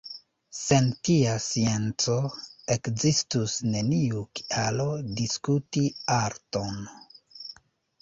Sen tia scienco, ekzistus neniu kialo diskuti arton.